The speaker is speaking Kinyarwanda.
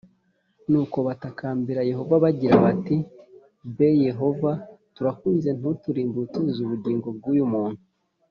Nuko batakambira Yehova bagira bati b Yehova turakwinginze ntuturimbure utuziza ubugingo bw uyu muntu